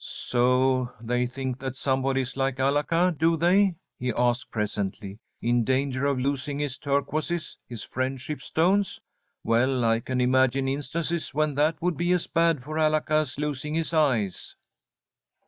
"So they think that somebody is like Alaka, do they?" he asked, presently, "in danger of losing his turquoises, his friendship stones. Well, I can imagine instances when that would be as bad for Alaka as losing his eyes."